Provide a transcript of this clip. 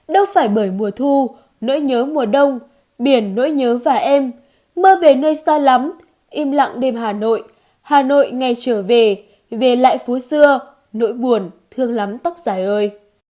đâu phải bởi mùa thu nỗi nhớ mùa đông biển nỗi nhớ và em mưa về nơi xa lắm im lặng đêm hà nội hà nội ngày trở về về lại phú xưa nỗi buồn thương lắm tóc dài ơi